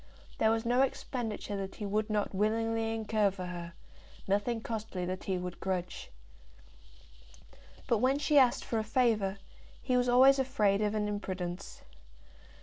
There was no expenditure that he would not willingly incur for her, nothing costly that he would grudge. But when she asked for a favour, he was always afraid of an imprudence.